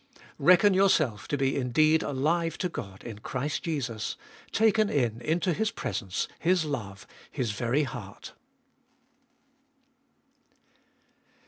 Reckon yourself to be indeed alive to God in Christ Jesus, taken in into His presence, His love, His very heart.